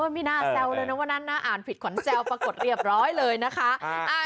ไม่น่าแซวเลยนะวันนั้นน่าอ่านผิดขวัญแซวปรากฏเรียบร้อยเลยนะคะ